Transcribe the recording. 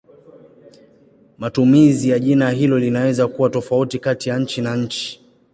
Matumizi ya jina hili linaweza kuwa tofauti kati ya nchi na nchi.